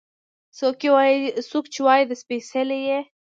څوک وايي چې ته سپېڅلې يې؟